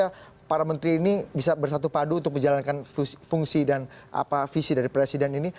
bagaimana para menteri ini bisa bersatu padu untuk menjalankan fungsi dan visi dari presiden ini